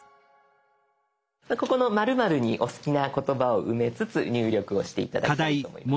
ここの「○○」にお好きな言葉を埋めつつ入力をして頂きたいと思います。